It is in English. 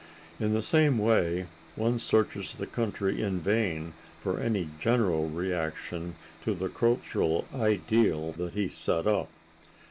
In the same way, one searches the country in vain for any general reaction to the cultural ideal that he set up.